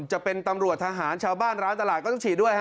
จะเป็นตำรวจทหารชาวบ้านร้านตลาดก็ต้องฉีดด้วยฮะ